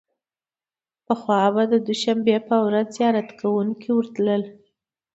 پخوا به د دوشنبې په ورځ زیارت کوونکي ورتلل.